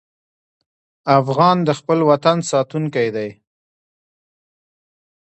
افغان د خپل وطن ساتونکی دی.